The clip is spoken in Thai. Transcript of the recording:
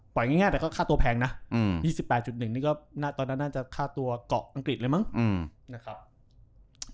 ง่ายแต่ก็ค่าตัวแพงนะ๒๘๑นี่ก็ตอนนั้นน่าจะค่าตัวเกาะอังกฤษเลยมั้งนะครับ